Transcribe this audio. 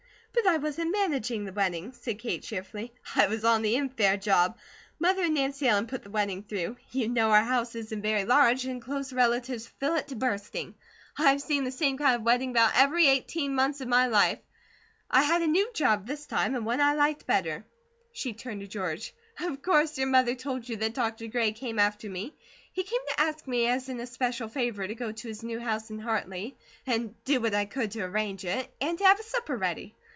"But I wasn't managing the wedding," said Kate cheerfully. "I was on the infare job. Mother and Nancy Ellen put the wedding through. You know our house isn't very large, and close relatives fill it to bursting. I've seen the same kind of wedding about every eighteen months all my life. I had a NEW job this time, and one I liked better." She turned to George: "Of course your mother told you that Dr. Gray came after me. He came to ask me as an especial favour to go to his new house in Hartley, and do what I could to arrange it, and to have a supper ready.